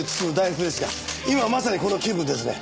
今まさにこの気分ですね。